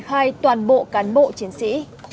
hoài toàn bộ cán bộ chiến sĩ